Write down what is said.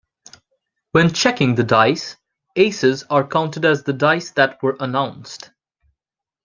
When checking the dice, aces are counted as the dice that were announced.